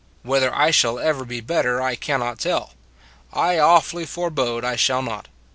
Whether I shall ever be better I cannot tell. I awfully forbode I shall not.